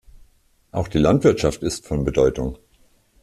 Auch die Landwirtschaft ist von Bedeutung.